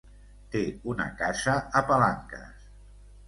Té una casa a Palanques.